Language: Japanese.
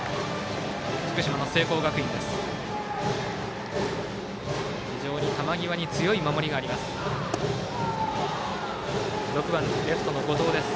福島の聖光学院です。